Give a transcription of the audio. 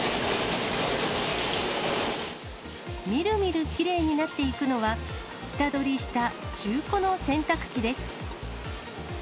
みるみるきれいになっていくのは、下取りした中古の洗濯機です。